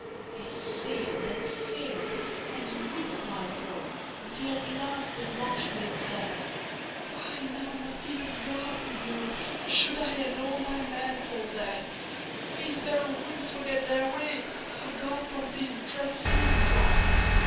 '"They sailed and sailed, as winds might blow, Until at last the blanched mate said:"Why, now not even God would knowShould I and all my men fall dead. These very winds forget their way, For God from these dread seas is gone.